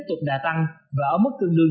lúc năm hai nghìn hai mươi hai